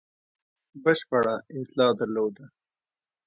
بشپړه اطلاع درلوده.